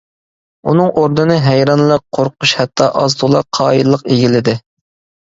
ئۇنىڭ ئورنىنى ھەيرانلىق، قورقۇش ھەتتا ئاز-تولا قايىللىق ئىگىلىدى.